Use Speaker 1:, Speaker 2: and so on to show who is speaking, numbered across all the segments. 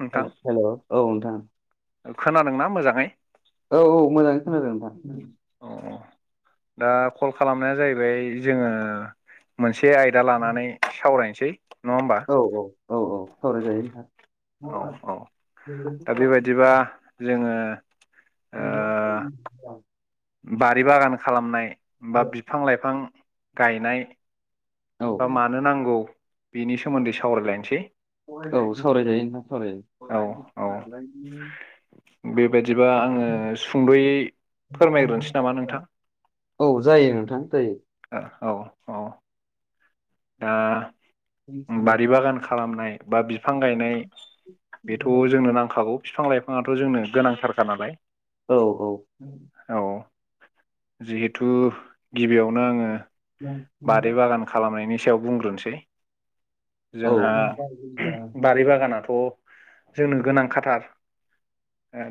Speaker 1: नोंथां
Speaker 2: हेल' औ नोंथां
Speaker 1: खोनादोंना मोजाङै?
Speaker 2: औ औ मोजाङै खोनादों नोंथां
Speaker 1: अ दा कल खालामनाया जाहैबाय जोङो मोन से आयदा लानानै सावरायनोसै। नङा होमबा
Speaker 2: औ औ औ औ सावरायजायो नोंथां।
Speaker 1: औ औ दा बेबायदिबा जोङो ओ
Speaker 2: [unintelligible]
Speaker 1: बारि बागान खालामनाय बा बिफां लाइफां गायनाय
Speaker 2: औ
Speaker 1: बा मानो नांगौ बेनि सोमोन्दै सावरायलायनोसै।
Speaker 2: औ सावरायजायो नोंथां
Speaker 1: औ औ
Speaker 2: सावरायजायो।
Speaker 1: बेबायदिबा आङो सुंद'यै फोरमायग्रोसै नामा नोंथां।
Speaker 2: औ जायो नोंथां जायो।
Speaker 1: ओ औ औ दा बारि बागान खालामनाय बा बिफां गायनाय बेथ' जोंनो नांखागौ बिफां लाइफाङआथ' जोंनो गोनांथारखा नालाय।
Speaker 2: औ औ
Speaker 1: औ जिहेथु गिबियावनो आङो बारि बागान खालामनायनि सायाव बुंग्रोनोसै
Speaker 2: औ
Speaker 1: जोंहा
Speaker 2: औ
Speaker 1: बारि बागानाथ' अ जोंनो गोनां खाथार।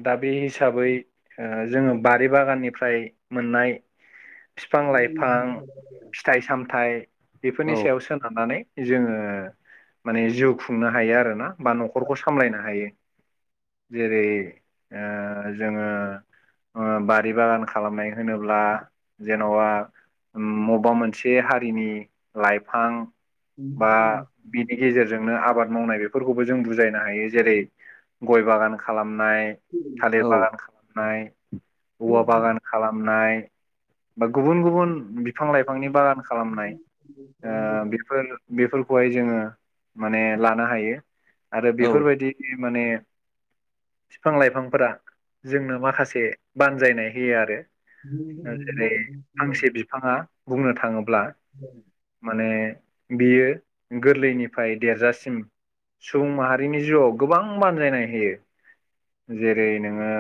Speaker 1: दा बे हिसाबै जोङो बारि बागाननिफ्राय मोननाय [inaudible] लाइफां
Speaker 2: [inaudible]
Speaker 1: फिथाइ सामथाइ बेफोरनि सायाव सोनारनानै जोङो माने जिउ खुंनो हायो आरो ना बा न'खरखौ सामलायनो हायो जेरै ओ जोङो ओ बारि बागान खालामनाय होनोब्ला जेन'बा म माबा मोनसे हारिनि लाइफां बा बिनि गेजेरजों आबाद मावनाय बेफोरखौबो जों बुजायनो हायो गय बागान खाला नाय थालिर
Speaker 2: औ
Speaker 1: बागान खालामनाय औवा बागान खालामनाय बा गुबुन गुबुन बिफां बिफांनि बागान खालामनाय ओ बेफोर बेफोर खौहाय जोङो माने लानो हायो आरो बेफोरबायदि माने फिफां लाइफांफोरा जोंनो माखासे बानजायनाय होयो आरो। जेरै फांसे बिफाङा बुंनो थाङोब्ला माने बियो गोरलैनिफ्राय देरजासिम सुबुं माहारिनि जिउआव गोबां बानजायनाय होयो जेरै नोङो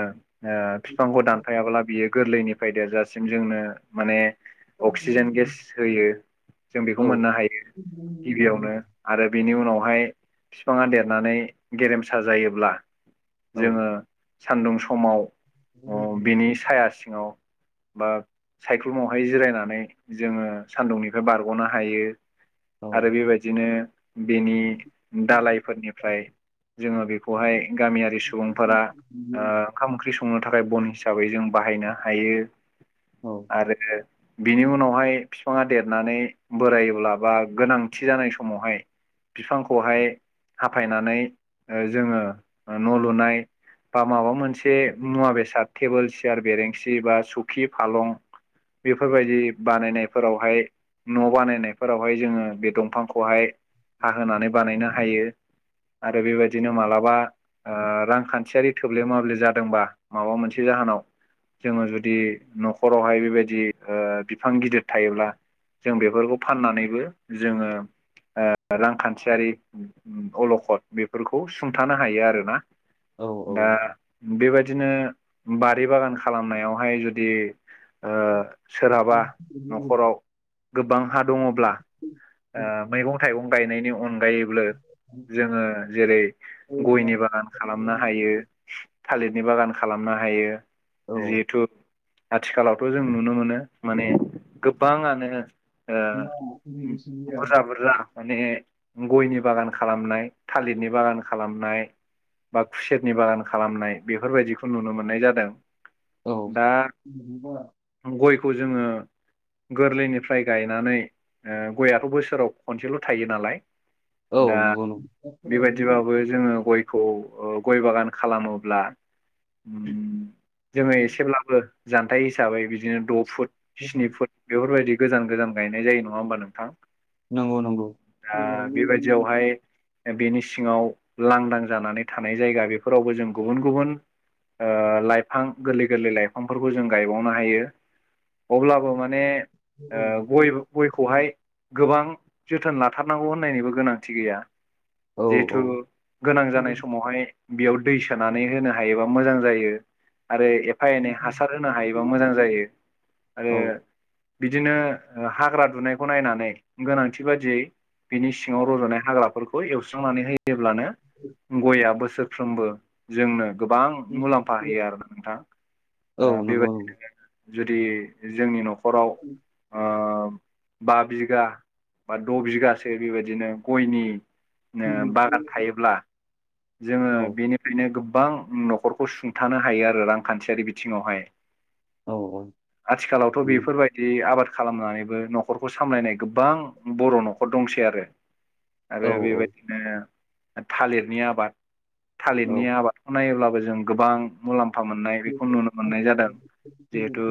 Speaker 1: ओ फि फांखौ दानफायाब्ला बियो गोरलैनिफ्राय देरजासिम जोंनो माने अक्सिजेन गेस होयो जों बेखौ
Speaker 2: औ
Speaker 1: मोननो हायो गिबियावनो आरो बेनि उनाव उनाव हाय बिफाङा देरनानै गेरेमसा जायोब्ला जोङो। सान्दुं समाव उ बेनि साया सि ङाव बा साइक्लुमाव हाय जिरायना नै जोङो सानदुंनिफ्राय बारगनो हायो। आरो बेबायदिनो बेनि दालायफोरनिफ्राय जोङो बेखौहाय गामियारि सुबुंफोरा ओ ओंखाम ओंख्रि सं संनो थाखाय बन हिसाबै जों बाहायनो हायो आरो। बिनि उनाव हाय बिफाङा देरनानै बोरायोब्ला बा गोनांथि जानाय समावहाय बिफांखौ हाय हाफायनानै ओ जोङो। न
Speaker 2: औ
Speaker 1: लुनाय बा माबा मोनसे मुवा बेसाद टेबोल सियार बेरेंसि बा सुखि फालं। बेफोर बायदि बानायनायफोराव हाय। न बानायनायफोराव हाय जोङो बे दंफांखौ हाय हाहोनानै बानायनो हायो। आरो बेबायदिनो मालाबा ओ रांखान्थियारि थोब्ले माब्ले जादोंबा माबा मोनसे जाहोनाव। जोङो जुदि नखराव हाय बेबायदि ओ बिफां गिदिर थायोब्ला जों बेफोरखौ फाननानैबो जोङो ओ रांखान्थियारि अलखद बेफोरखौ सुंथानो हायो आरोना।
Speaker 2: औ
Speaker 1: दा बेबायदिनो बारि बागान खालामनायाव हाय जुदि ओ
Speaker 2: औ।
Speaker 1: सोरहाबा नखराव गोबां हा दङब्ला ओ मैगं थाइगं गा अनगायैब्लो। जोङो जेरै
Speaker 2: औ
Speaker 1: गयनि बागान खालामनो हायो थालिरनि बागान खालामनो हायो जिहेथु आथिखालावथ जों नुनो मोनो। माने गोबाङानो ओ बुरजा बुरजा। माने गयनि बागान खालामनाय थालिरनि बागान खालामनाय। बा खुसेरनि बागान खालामनाय बेफोर बायदिखौ नुनो मोननाय जादों। दा गयखौ जोङो गोरलैनिफ्राय गायनानै ओ गयआथ बोसोराव खनसेल थायो नालाय। दा बेबायदिबाबो जोङो गयखौ ओ गय बागान खालामोब्ला उम जोङो एसेब्लाबो जान्थाइ हिसाबै बिदिनो द फुट स्नि फुट बेफोर बायदि गोजान गोजान गायनाय जायो नङा होमबा नोंथां?
Speaker 2: नंगौ नंगौ औ
Speaker 1: दा बेबायदियाव हाय बेनि सिङाव लांदां जानानै थानाय जायगा बेफोरावबो जों गुबुन गुबुन ओ लाइफां गोरलै गोरलै लाइफांफोरखौ जों गायबावनो हायो। अब्लाबो माने ओ गय गयखौहाय गोबां जोथोन लाथार नांगौ होननायनिबो गोनांथि गैया।
Speaker 2: औ
Speaker 1: जिहेथु
Speaker 2: औ
Speaker 1: गोनां जानाय
Speaker 2: नंगौ
Speaker 1: समाव हाय बेयाव दै सोनानै होनो हायोबा मोजां जायो। आरो एफा एनै हासार होनो हायोबा मोजां
Speaker 2: नंगौ औ
Speaker 1: जायो
Speaker 2: औ
Speaker 1: आरो बिदिनो हाग्रा दुनायखौ नायनानै गोनांथि बादियै बिनि सिङाव रजनाय हाग्राफोरखौ एवस्रांनानै होयोब्लानो गयआ बोसो सोरफ्रोमबो जोंनो गोबां मुलाम्फा होयो आरो नोंथाङा ओ बेबायदिनो दि जोंनि नखराव ओ बा बिगा बा द बिगासो बेबायदिनो गयनि ओ बागान थायोब्ला जोङो बेनिफ्रायनो गो गोबां नखरखौ सुंथानो हायो आरो रांखान्थियारि बिथिङाव हाय
Speaker 2: औ औ
Speaker 1: आथिखालावथ' बेफोरबायदि आबाद खालामनानैबो न'खरखौ सामलायनाय गोबां। बर' न'खर दंसै आरो। आरो बेबायदिनो थालिरनि आबाद थालिरनि आबादखौ नायोब्ला। जों गोबां मुलाम्फा मोननाय बेखौ नुनो मोननाय जादों जिहेथु।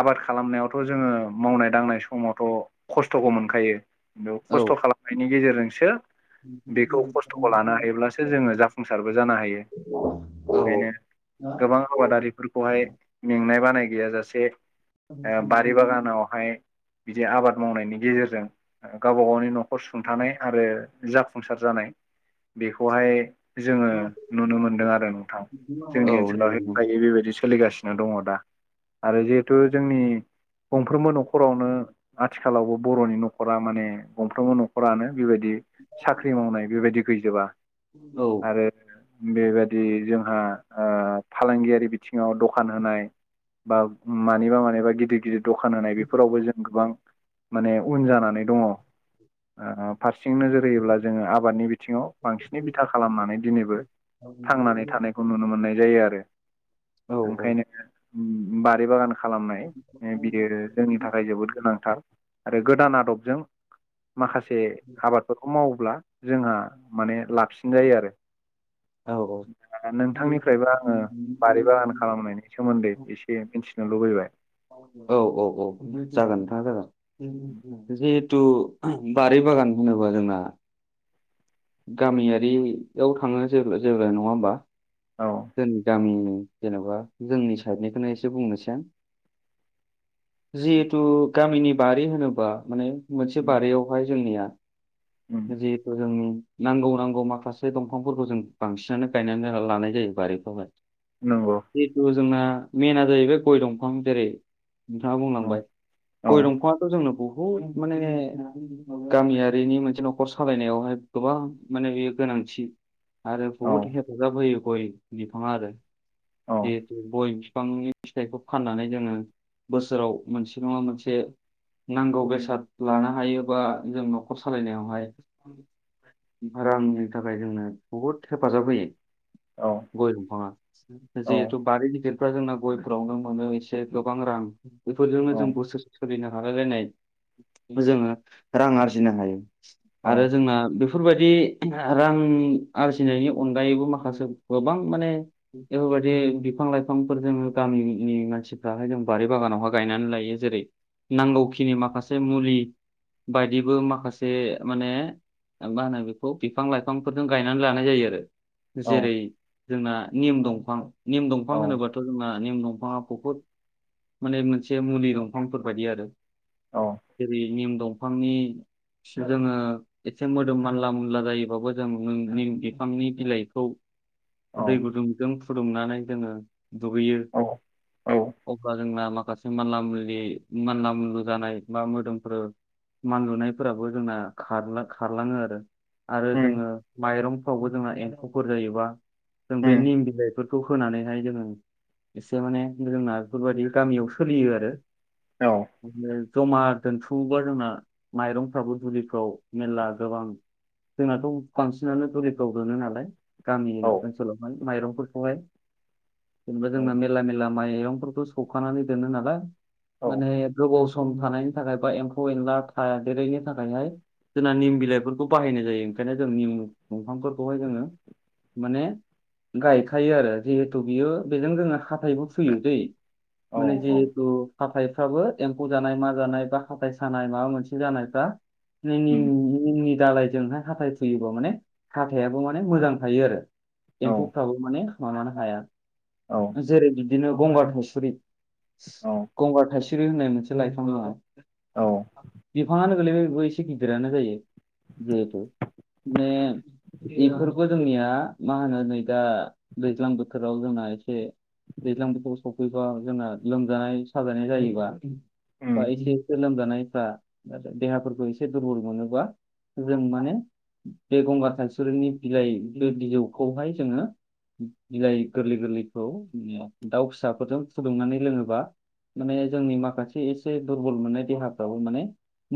Speaker 1: आबाद खालामनायावथ' जोङो मावनाय दांनाय समावथ' खस्थ'खौ मोनखायो। बेयाव
Speaker 2: औ
Speaker 1: खस्थ' खालामनायनि गेजेरजोंसो।
Speaker 2: औ नंगौ
Speaker 1: बेखौ खस्थ'खौ लानो हायोब्लासो जोङो जाफुंसारबो जानो हायो। ओंखायनो गोबां आबादारिफोरखौहाय मेंनाय बानाय। गैयाजासे ओ
Speaker 2: नंगौ
Speaker 1: बारि बागानावहाय। बिदि आबाद मावनायनि गेजेरजों गावबा गावनि न'खर सुंथानाय आरो जाफुंसार जानाय। बेखौहाय। जोङो नुनो मोनदों आरो नोंथां जोंनि
Speaker 2: औ
Speaker 1: ओनसोलाव बे थायो बेबायदि। सोलिगासिनो दङ दा आरो जिहेथु जोंनि। गंफ्रोमबो न'खरावनो आथिखालावबो बर'नि न'खरा माने गंफ्रोमबो न'खरानो। बेबायदि साख्रि मावनाय बेबायदि गैजोबा।
Speaker 2: औ।
Speaker 1: बेबायाददि जोंहा ओ फालांगियारि बिथिङाव दखान होनाय बा। मानिबा मानिबा गिदिर गिदिर दखान होनाय बेफोरावबो जों गोबां। माने उन जानानै दङ ओ फारसें नोजोर होयोब्ला जोङो आबादनि बिथिं। बिथिङाव बांसिनै बिथा खालामनानै दिनैबो थांनानै थानायखौ नुनो मोननाय जायो आरो। ओंखायनो ओम बारि बागानखौ। खालामनाय बियो जोंनि थाखाय जोबोद गोनांथार आरो गोदान आदबजों। माखासे आबादफोरखौ मावोब्ला जोंहा माने लाबसिन जायो आरो।
Speaker 2: औ।
Speaker 1: नोंथांनिफ्रायबो आङो बारि बागान खालामनायनि सोमोन्दै एसे मिथि। औ लुबैबाय।
Speaker 2: औ औ औ जागोन नोंथां जागोन जेहु। थु बारि बागान‌ होनोबा जोंना। गामियारि औ थाङो जे जेब्ला नङा होमबा
Speaker 1: औ
Speaker 2: जोंनि गामि। जेनेबा जोंनि साइडनिखौनो एसे बुंनोसै जिहेथु। गामिनि बारि होनोब्ला माने मोनसे बारियावहाय जोंनिया। जेहुथू जोंनि। नांगौ नांगौ माखासे दंफांफोरखौ जों बांसिनानो गायनानै लानाय जायो बारिफ्रावहाय।
Speaker 1: नंगौ।
Speaker 2: जिहेथु जोंना मेन जाहैबाय गय दंफां जेरै नोंथाङा
Speaker 1: औ
Speaker 2: बुंलांबाय
Speaker 1: औ
Speaker 2: गय दंफाङाथ' जोंनो बहु द माने गामियारिनि मोनसे न'खर सालायनायावहाय गोबां माने होयो गोनांथि आरो
Speaker 1: औ
Speaker 2: बुहुद हेफाजाब होयो गय बिफाङा आरो।
Speaker 1: औ
Speaker 2: जेहुथु गय बिफांनि फिथाइखौ फाननानै जोङो बोसोराव मोनसे नङा मोनसे नांगौ बेसाद लानो हायो बा जों न'खर सालायनायावहाय। बिफोर रांनि थाखाय जोंनो बुहुद हेफाजाब होयो। गय दंफाङा,
Speaker 1: औ
Speaker 2: जिहेतु बारि गिदिर फ्रा जोंना गयफोरावनो मोनो एसे गोबां रां बेफोरजोंनो जों बोसोरसे सोलिनो रायलायलायनाय जोङो रां आरजिनो हायो
Speaker 1: औ
Speaker 2: आरो जोंना। बेफोरबायदि रां आरजिनायनि अनगायैबो माखासे गोबां माने बेफोरबायदि बिफां लाइफांफोरजों गामिनि मानसिफ्राहाय जों बारि बागानावहाय गायनानै लायो जेरै नांगौखिनि माखासे मुलि बायदिबो माखासे माने मा होनो बेखौ बिफां लाइफांफोरजों गायनानै लानाय जायो आरो
Speaker 1: औ
Speaker 2: जेरै। जोंना निम दंफां निम दंफां होनोबाथ' जोंना निम दं फाङा बुहुद माने मोनसे मुलि दंफांफोर बायदि आरो
Speaker 1: औ
Speaker 2: जेरै निम दंफांनि जोङो एसे मोदोम मानला मुनला जायोबाबो जों नों निम बिफांनि बिलाइखौ दै
Speaker 1: औ
Speaker 2: गुदुंजों फुदुंनानै जोङो दुगैयो
Speaker 1: औ
Speaker 2: अब्ला जोंना माखासे मानला मुनलि मानला मुनलु जानाय बा मोदोमफ्रो मानलुनायफोराबो जोंना खारला खारलाङो आरो। आरो
Speaker 1: उम
Speaker 2: जोङो माइरंफ्रावबो जोंना एम्फौफोर जायोबा जों बे
Speaker 1: उम
Speaker 2: निम बिलायफोर खौ होनानैहाय जोङो एसे माने जोंना बेफोरबायदि गामियाव सोलियो आरो।
Speaker 1: औ
Speaker 2: [unintelligible] जमा दोनथुमोबा जोंना माइरंफ्राबो दुलिफ्राव मेरला गोबां जोंनाथ' बांसिनानो दुलिफ्राव बोनो नालाय। गामि
Speaker 1: औ
Speaker 2: ओनसोलावहाय माइरंफोरखौहाय जेनेबा
Speaker 1: औ
Speaker 2: जोंना मेर्ला मेर्ला माइरंफोर खौ सौवखानानै दोनो नालाय
Speaker 1: औ
Speaker 2: माने गोबाव स म थानायनि थाखाय बा एम्फौ एनला थादेरैनि थाखायहाय जोंना निम बिलाइफोरखौ बाहायनाय जायो, ओंखायनो जों निम दंफांफोरखौहाय जोङो माने गायखायो आरो जिहेथु बियो बेजों जोङो हाथायबो फुयोदैै। माने
Speaker 1: औ
Speaker 2: जिहेतु हाथायफ्राबो एम्फौ जानाय मा जानाय बा हाथाय सानाय माबा मोनसे जानायफ्रा [unintelligible]
Speaker 1: उम
Speaker 2: निमनि दालायजोंहाय हाथाय फुयोबा माने हाथायाबो माने मोजां थायो आरो। एम्फौफ्राबो माने माबानो हाया।
Speaker 1: औ
Speaker 2: जेरै बिदिनो गंगार थायसुरि,
Speaker 1: औ
Speaker 2: गंगार थायसुरि होननाय मोनसे लाइफां दङ
Speaker 1: औ
Speaker 2: बिफाङानो गोलैबाय बेबो एसे गिदिरानो जायो जिहेथु ने बेफोरबो जोंनिया मा होनो नै दा दैज्लां बोथोराव जोंना एसे दैज्लां बोथोर सौफैबा जोंना लोमजानाय साजानाय जायोबा बा एसेफोर लोमजानायफ्रा देहाफोरखौ एसे दुर्बल मोनोबा जों माने बे गंगार थासुरिनि बिलाइ बिजौखौहाय जोङो बिलाइ गोरलै गोरलैखौ दाउ फिसाफोरजों फुदुंनानै लोङोबा माने जोंनि माखासे एसे दुरबल मोननाय देहाफ्राबो माने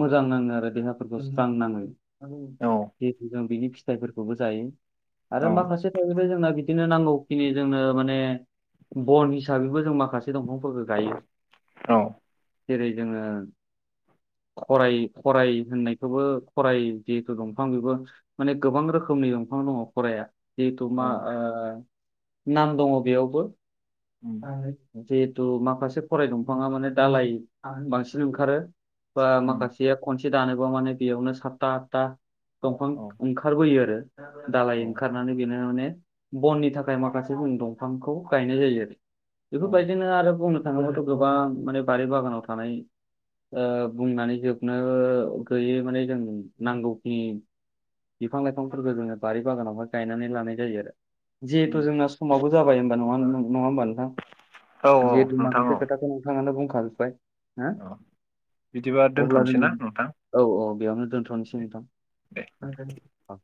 Speaker 2: मोजां नाङो आरो। देहाफोरखौ स्रां नाङो
Speaker 1: उम औ
Speaker 2: जिहेतु जों बिनि फिथाइफोरखौबो जायो। आरो
Speaker 1: औ
Speaker 2: माखासे थाजोबबाय जोंना बिदिनो नांगौखिनि जोंनो माने बन हिसाबैबो जों माखासे दंफांफोरखौ गायो
Speaker 1: औ
Speaker 2: जेरै जोङो खराय खराय होननायखौबो खराय जिहेतु दंफां बेबो माने गोबां रोखोमनि दंफां दङ खराया। जिहेथु मा ओ नाम दङ बेयावबो
Speaker 1: उम
Speaker 2: जि थु माखासे खराय दंफाङा माने दालाय बांसिन ओंखारो। बा
Speaker 1: उम
Speaker 2: माखासेया खनसे दानोबा माने बेयावनो सातथा आतथा दंफां
Speaker 1: औ
Speaker 2: ओंखारबोयो आरो दालाय
Speaker 1: औ
Speaker 2: ओंखारनानै बेनो माने बननि थाखाय माखासे जों दंफांखौ गायनाय जायो आरो बेफोरबायदिनो आरो बुंनो थाङोबाथ' गोबां माने बारि बागानाव थानाय ओ बुंनानै जोबनो गैयै माने जों नांगौखिनि बिफां लाइफांफोरखौ जोङो बारि बागानावहाय गायनानै लानाय जायो आरो। जिहेथु
Speaker 1: उम
Speaker 2: जोंना समाबो जाबाय होमबा नङ नङा होमबा नों
Speaker 1: औ
Speaker 2: जिहेतु
Speaker 1: नोंथां
Speaker 2: माखासे
Speaker 1: औ
Speaker 2: खोथाखौ नोंथांङानो बुंखाजोब्बाय। हो
Speaker 1: औ। बिदिबा
Speaker 2: अब्ला
Speaker 1: दोनथ'नोसै
Speaker 2: दोनै
Speaker 1: ना नोंथां
Speaker 2: औ औ बेयावनो दोन्थ'नोसै नोंथां।
Speaker 1: दे
Speaker 2: आंजों अ।